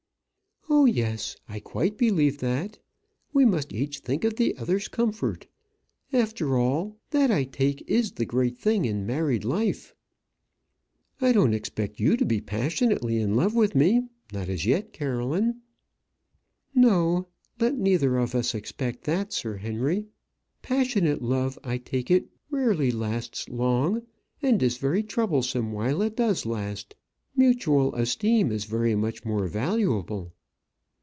"Oh, yes; I quite believe that. We must each think of the other's comfort. After all, that I take it is the great thing in married life." "I don't expect you to be passionately in love with me not as yet, Caroline." "No. Let neither of us expect that, Sir Henry. Passionate love, I take it, rarely lasts long, and is very troublesome while it does last. Mutual esteem is very much more valuable."